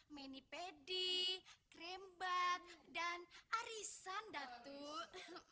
menipedi krembat dan arisan datuk